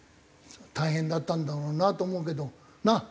大変だったんだろうなと思うけどなあ。